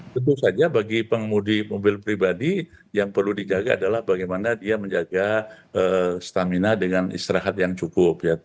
tentu saja bagi pengemudi mobil pribadi yang perlu dijaga adalah bagaimana dia menjaga stamina dengan istirahat yang cukup